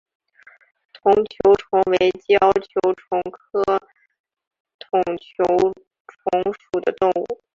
筒球虫为胶球虫科筒球虫属的动物。